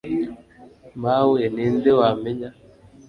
mawe ni nde wamenya